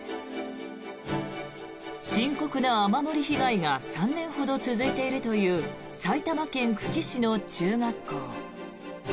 深刻な雨漏り被害が３年ほど続いているという埼玉県久喜市の中学校。